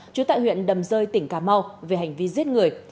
trú tại huyện đầm rơi tỉnh cà mau về hành vi giết người